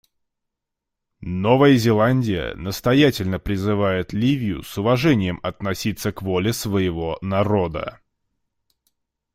Новая Зеландия настоятельно призывает Ливию с уважением относиться к воле своего народа.